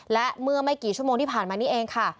และเมื่อไม่กี่ชั่วโมงที่ผ่านมานี้เองค่ะ